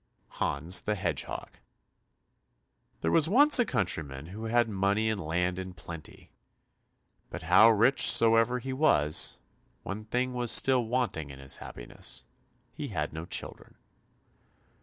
108 Hans the Hedgehog There was once a countryman who had money and land in plenty, but how rich soever he was, one thing was still wanting in his happiness he had no children.